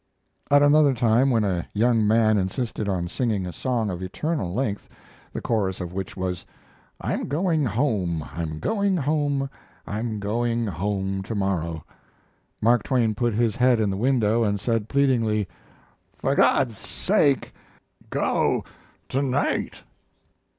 At another time, when a young man insisted on singing a song of eternal length, the chorus of which was, "I'm going home, I'm going home, I'm going home tomorrow," Mark Twain put his head in the window and said, pleadingly: "For God's sake go to night."